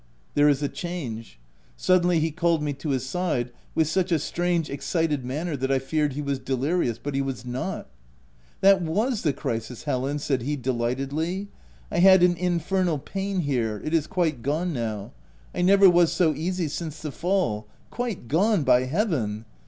There is a change. Suddenly he called me to his side, with such a strange, excited manner that I feared he was delirious — but he was not, "That was the crisis, Helen!" said he de lightedly —I had an infernal pain here — it is quite gone now ; 1 never was so easy since the fall — Quite gone, by Heaven